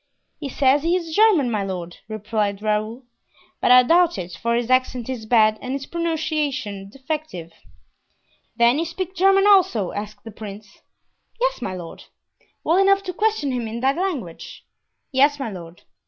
"He says he is German, my lord," replied Raoul; "but I doubt it, for his accent is bad and his pronunciation defective." "Then you speak German, also?" asked the prince. "Yes, my lord." "Well enough to question him in that language?" "Yes, my lord."